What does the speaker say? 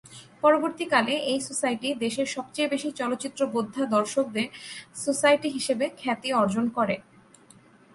পরবর্তীকালে এই সোসাইটি "দেশের সবচেয়ে বেশি চলচ্চিত্র-বোদ্ধা দর্শক"দের সোসাইটি হিসেবে খ্যাতি অর্জন করে।